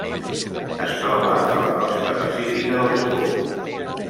Es troba a la costa pacífica del Japó.